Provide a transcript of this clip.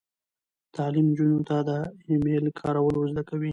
تعلیم نجونو ته د ای میل کارول ور زده کوي.